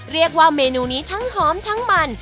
เรียกว่าเมนูนี้ทั้งหอมทั้งมัน